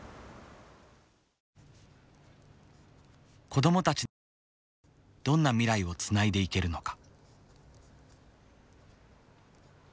子どもたちの世代にどんな未来をつないでいけるのか。